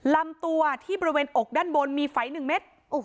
ลำตัวที่บริเวณอกด้านบนมีไฝ๑เม็ด